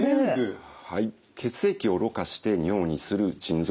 血液をろ過して尿にする腎臓。